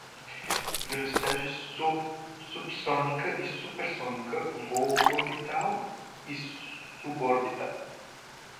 velocidade subsônica e supersônica, voo orbital e suborbital